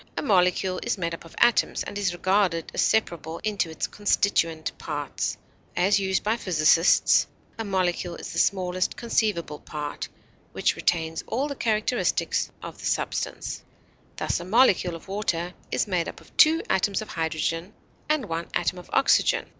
A molecule is made up of atoms, and is regarded as separable into its constituent parts; as used by physicists, a molecule is the smallest conceivable part which retains all the characteristics of the substance; thus, a molecule of water is made up of two atoms of hydrogen and one atom of oxygen.